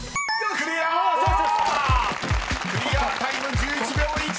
［クリアタイム１１秒１！］